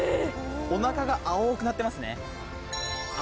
お腹が青くなってますね。